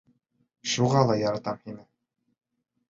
Шуға ла яратам һине!